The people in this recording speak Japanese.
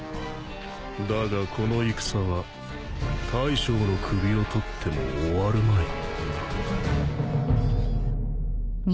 だがこの戦は大将の首を取っても終わるまい。